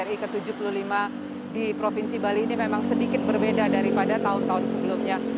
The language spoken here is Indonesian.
hari ini kita menunjukkan bahwa peringatan dari guru nasional di bali ini memang sedikit berbeda daripada tahun tahun sebelumnya